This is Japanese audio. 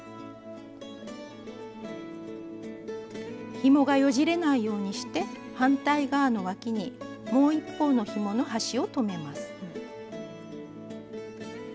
ひもがよじれないようにして反対側のわきにもう一方のひもの端を留めます。